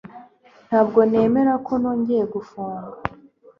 Ntabwo nemera ko nongeye gufunga